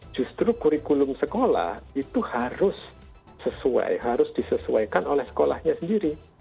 justru kurikulum sekolah itu harus sesuai harus disesuaikan oleh sekolahnya sendiri